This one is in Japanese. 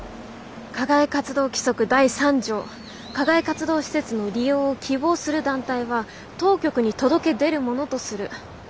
「課外活動規則第３条課外活動施設の利用を希望する団体は当局に届け出るものとする」。